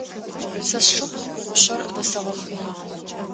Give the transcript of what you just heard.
Сэ сшыпхъу кушъэр дэсэгъэхъые.